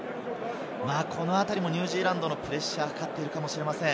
このあたりもニュージーランドのプレッシャーがかかっているかもしれません。